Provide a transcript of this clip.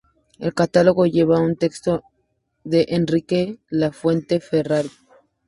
El catálogo lleva un texto de Enrique Lafuente Ferrari.